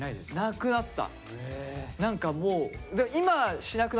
なくなった。